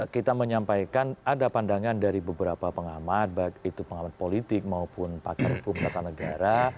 kita menyampaikan ada pandangan dari beberapa pengamat baik itu pengamat politik maupun pakar hukum tata negara